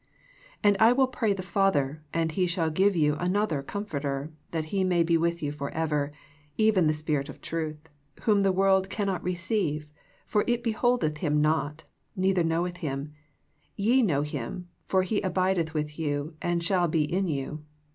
And I will pray the Father, and He shall give you another Com forter, that He may be with you forever, even the Spirit of truth : whom the world cannot receive ; for it beholdeth Him not, neither knoweth Him : ye know Him ; for He abideth with you, and shall be in you.